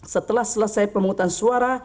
setelah selesai pemungutan suara